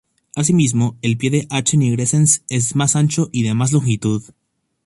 Asimismo, el pie de "H. nigrescens" es más ancho y de más longitud.